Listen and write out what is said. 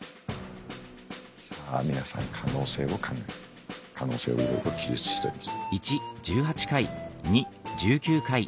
さあ皆さん可能性を考えて可能性をいろいろ記述しております。